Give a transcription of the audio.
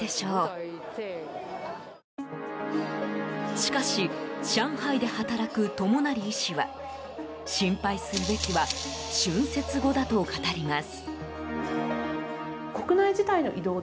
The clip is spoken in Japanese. しかし上海で働く友成医師は心配するべきは春節後だと語ります。